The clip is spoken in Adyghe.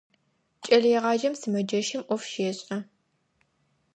Кӏэлэегъаджэм сымэджэщым ӏоф щешӏэ.